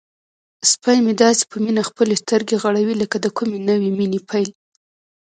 سپی مې داسې په مینه خپلې سترګې غړوي لکه د کومې نوې مینې پیل.